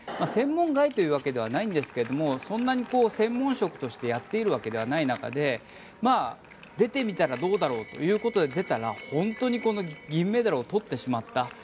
専門外というわけではないんですがそんなに専門職としてやっているわけではない中で出てみたらどうだろうということで、出たら本当に銀メダルを取ってしまった。